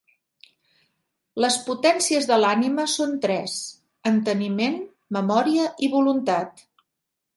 Les potències de l'ànima són tres: enteniment, memòria i voluntat.